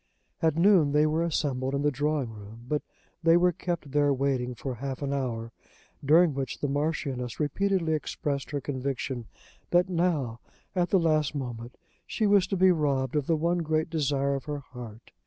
At noon they were assembled in the drawing room; but they were kept there waiting for half an hour, during which the Marchioness repeatedly expressed her conviction that now, at the last moment, she was to be robbed of the one great desire of her heart.